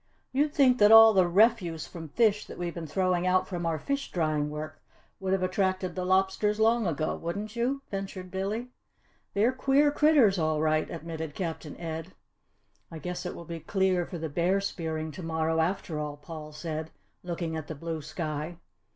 "You'd think that all the refuse from fish that we've been throwing out from our fish drying work would have attracted the lobsters long ago, wouldn't you?" ventured Billy. "They're queer critters, all right," admitted Captain Ed. "I guess it will be clear for the bear spearing to morrow, after all," Paul said, looking at the blue sky.